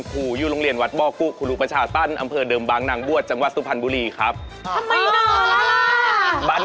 ขู่ยู้โรงเรียนวัดบ้อคุครูปัชฌาติตั้น